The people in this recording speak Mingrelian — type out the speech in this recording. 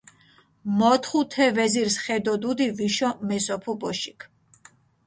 მოთხუ თე ვეზირს ხე დო დუდი ვიშო მესოფუ ბოშიქ.